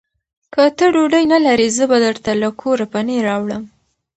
که ته ډوډۍ نه لرې، زه به درته له کوره پنېر راوړم.